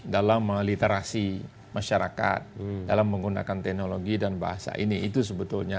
dalam meliterasi masyarakat dalam menggunakan teknologi dan bahasa ini itu sebetulnya